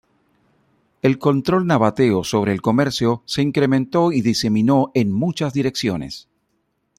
El control nabateo sobre el comercio se incrementó y diseminó en muchas direcciones.